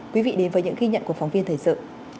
quý vị đến với những ghi nhận của phóng viên thời sự